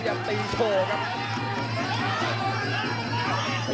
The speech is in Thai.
ยังตีโชว์ครับ